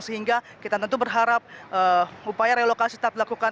sehingga kita tentu berharap upaya relokasi tetap dilakukan